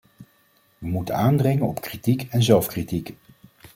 We moeten aandringen op kritiek en zelfkritiek.